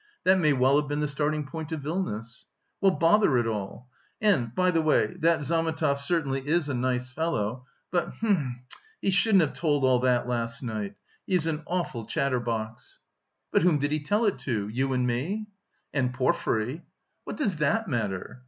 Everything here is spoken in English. That may well have been the starting point of illness. Well, bother it all!... And, by the way, that Zametov certainly is a nice fellow, but hm... he shouldn't have told all that last night. He is an awful chatterbox!" "But whom did he tell it to? You and me?" "And Porfiry." "What does that matter?"